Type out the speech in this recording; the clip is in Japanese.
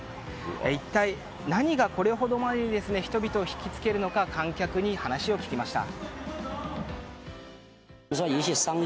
一体、何がこれほどまでに人々をひきつけるのか観客に話を聞きました。